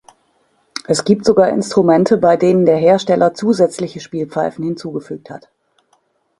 Es gibt sogar Instrumente, bei denen der Hersteller zusätzliche Spielpfeifen hinzugefügt hat.